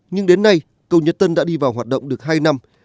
nhưng đến nay cầu nhật tân đã đi vào hoạt động được hai năm